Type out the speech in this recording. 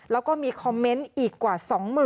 แล้วก็มีคอมเมนต์อีกกว่า๒๐๐๐